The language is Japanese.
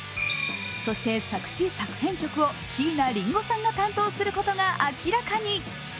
そして、作詞・作編曲を椎名林檎さんが担当することが明らかに。